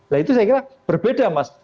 nah itu saya kira berbeda mas